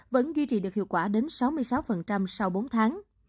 vẫn duy trì được hiệu quả đến sáu mươi sáu sau bốn tháng